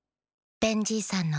ベンじいさんのおかげ。